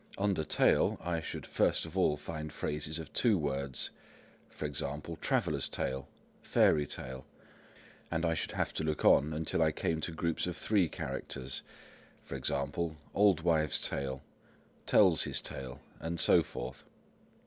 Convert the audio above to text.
Under tale I should first of all find phrases of two words, e.g. "traveller's tale," "fairy tale"; and I should have to look on until I came to groups of three characters, e.g. "old wife's tale," "tells his tale," and so forth.